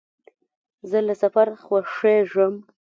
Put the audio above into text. زه له سفر خوښېږم.